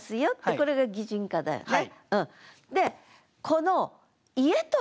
これが擬人化だよね。